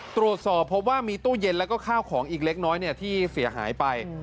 ตรวจสอบพบว่ามีตู้เย็นแล้วก็ข้าวของอีกเล็กน้อยที่เสียหายไป